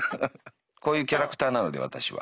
こういうキャラクターなので私は。